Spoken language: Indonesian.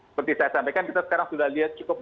seperti saya sampaikan kita sekarang sudah lihat cukup